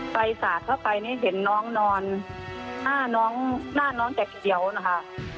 สาดเข้าไปนี่เห็นน้องนอนหน้าน้องหน้าน้องจะเขียวนะคะ